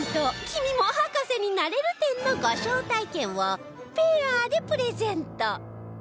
「君も博士になれる展」のご招待券をペアでプレゼント